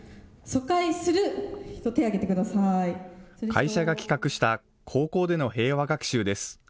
会社が企画した高校での平和学習です。